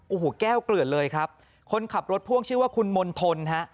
โอ้โหแก้วเกลือนเลยครับคนขับรถพ่วงชื่อว่าคุณมณฑลฮะ